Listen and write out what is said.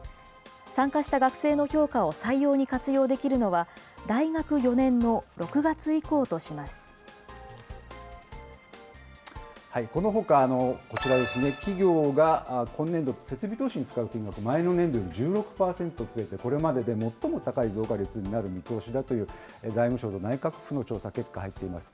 参加した学生の評価を採用に活用できるのは、大学４年の６月以降このほか、こちらですね、企業が今年度、設備投資に使う金額、前の年度より１６％増えてこれまでで最も高い増加率になる見通しだという財務省と内閣府の調査結果が入っています。